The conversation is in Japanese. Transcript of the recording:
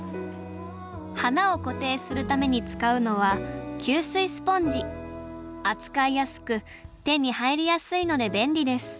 花を固定するために使うのは扱いやすく手に入りやすいので便利です。